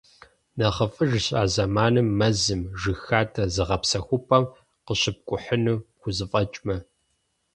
НэхъыфӀыжщ а зэманым мэзым, жыг хадэ зыгъэпсэхупӀэхэм къыщыпкӀухьыну пхузэфӀэкӀмэ.